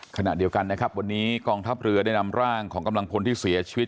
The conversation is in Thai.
ขณะเดียวกันนะครับวันนี้กองทัพเรือได้นำร่างของกำลังพลที่เสียชีวิต